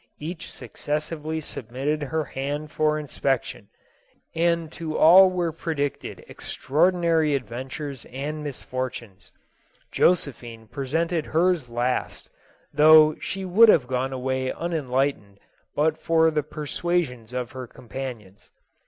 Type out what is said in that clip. K;ieh successively submitted her hand for inspection, and to all were predicted extraordinary adventures and misfortunes. Josephine presented hers last, though t lie would have gone away unenlightened but for the persuasions of her companions.